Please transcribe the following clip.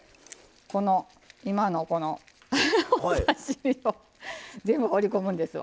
この今のこのお刺身を全部放り込むんですわ。